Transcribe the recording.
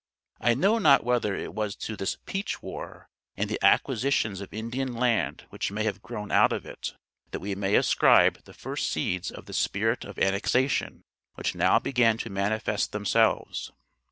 I know not whether it was to this "Peach War," and the acquisitions of Indian land which may have grown out of it, that we may ascribe the first seeds of the spirit of "annexation" which now began to manifest themselves.